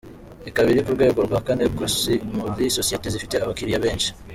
Ikaba iri ku rwego rwa kane ku isi muri Sosiyete zifite abakiriya benshi.